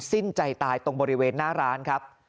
สิ้นใจตายตรงบริเวณหน้าร้านครับ